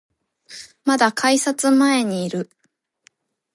まだ改札前にいる